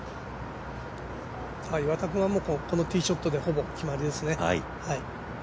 岩田君はこのティーショットでほぼ決まりですね。